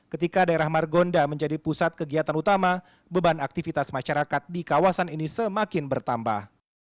ketika daerah margonda menjadi pusat kegiatan utama beban aktivitas masyarakat di kawasan ini semakin bertambah